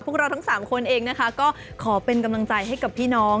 พวกเราทั้ง๓คนเองนะคะก็ขอเป็นกำลังใจให้กับพี่น้อง